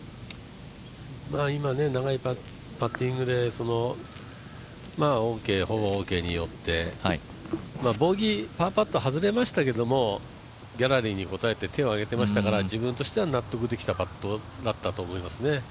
今、長いパッティングでオーケーによってパーパット外れましたけどギャラリーに応えて手を上げてましたから自分としては納得できたパットだったと思いますね。